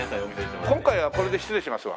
今回はこれで失礼しますわ。